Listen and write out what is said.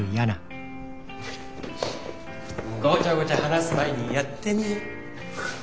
ごちゃごちゃ話す前にやってみねえ？